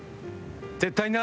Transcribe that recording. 絶対にな。